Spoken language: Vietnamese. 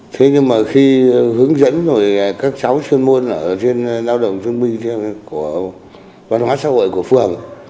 thế nhưng mà khi hướng dẫn rồi các cháu chuyên môn ở trên lao động thương binh của văn hóa xã hội của phường